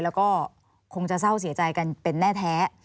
แล้วก็คงจะเศร้าเสียใจกันเป็นแน่แท้